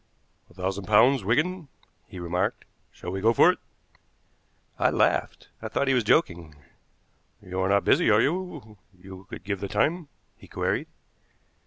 "A thousand pounds, Wigan," he remarked. "Shall we go for it?" I laughed; I thought he was joking. "You are not busy, are you; you could give the time?" he queried.